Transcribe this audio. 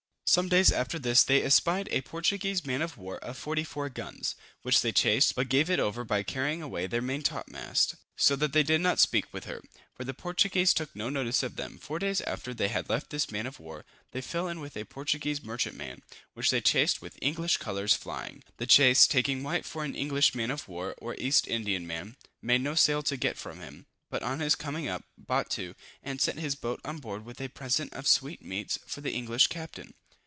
Some days after this, they espied a Portuguese man of war of 44 guns, which they chased, but gave it over by carrying away their maintopmast, so that they did not speak with her, for the Portuguese took no notice of them. Four days after they had left this man of war, they fell in with a Portuguese merchantman, which they chased with English colors flying. The chase, taking White for an English man of war or East Indiaman, made no sail to get from him, but on his coming up, brought to, and sent his boat on board with a present of sweet meats for the English captain.